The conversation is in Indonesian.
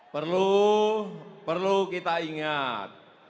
perlu perlu kita ingat